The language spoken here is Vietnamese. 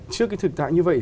trước cái thực tại như vậy